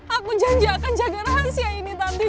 aku janji akan jaga rahasia ini nanti